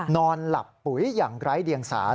นอนหลับปุ๋ยอย่างไร้เดียงสา